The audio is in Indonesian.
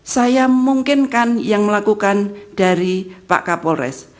saya memungkinkan yang melakukan dari pakar polres